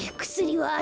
はあ。